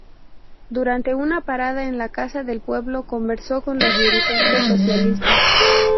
Durante una parada en la Casa del Pueblo conversó con los dirigentes socialistas.